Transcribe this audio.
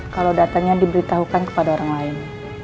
kalau datanya diberitahukan kepada orang lain